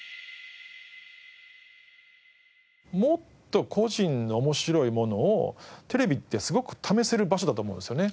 もっと個人の面白いものをテレビってすごく試せる場所だと思うんですよね。